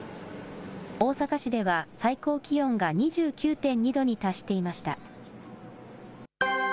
大阪市では最高気温が２９．２度に達していました。